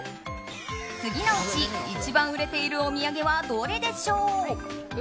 次のうち一番売れているお土産はどれでしょう。